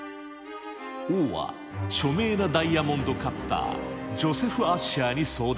王は著名なダイヤモンドカッタージョセフ・アッシャーに相談。